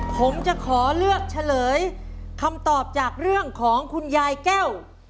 ผมจะขอเลือกเฉลยคำตอบจากเรื่องของคุณยายแก้ว